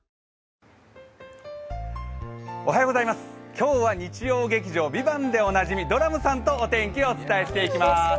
今日は日曜劇場「ＶＩＶＡＮＴ」でおなじみ、ドラムさんとお天気をお伝えしていきます。